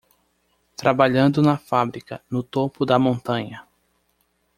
Trabalhando na fábrica no topo da montanha